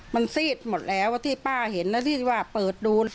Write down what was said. มันซีดหมดแล้วที่ป้าเห็นแล้วที่ว่าเปิดดู